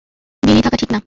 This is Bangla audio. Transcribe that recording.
বিনয়ী থাকা ঠিক না।